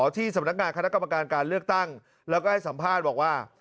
ที่สำนักงานคณะกรรมการการเลือกตั้งแล้วก็ให้สัมภาษณ์บอกว่า